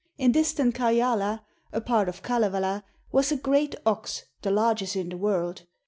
In distant Karjala, a part of Kalevala, was a great ox, the largest in the world.